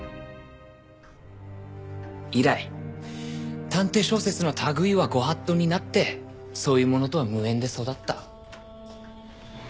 以来探偵小説の類いはご法度になってそういうものとは無縁で育った。